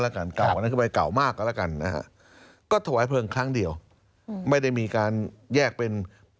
ในอดีตถ้าก่าวขึ้นไปถือว่าประมาณและกันที่๕๖เป็นเกณฑ์กันแล้วกัน